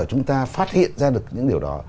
chúng ta phát hiện ra được những điều đó